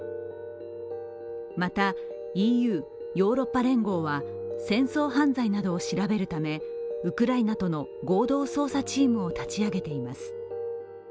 また、ＥＵ＝ヨーロッパ連合は戦争犯罪などを調べるためウクライナとの合同捜査チームを立ち上げています。